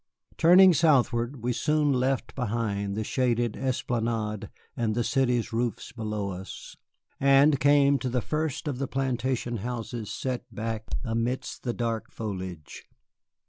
Turning southward, we soon left behind the shaded esplanade and the city's roofs below us, and came to the first of the plantation houses set back amidst the dark foliage.